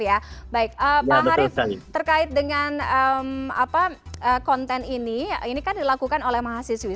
pak harief terkait dengan konten ini ini kan dilakukan oleh mahasiswi